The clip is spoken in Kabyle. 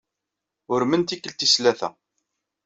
Urmen tikkelt tis tlata.